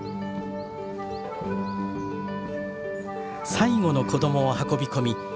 最後の子供を運び込み